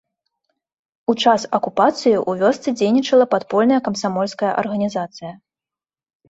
У час акупацыі ў вёсцы дзейнічала падпольная камсамольская арганізацыя.